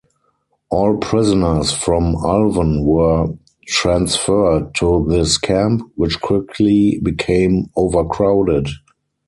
All prisoners from Ulven were transferred to this camp, which quickly became overcrowded.